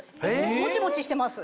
もちもちしてます